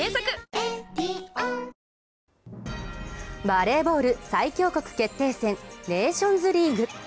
バレーボール最強国決定戦ネーションズリーグ。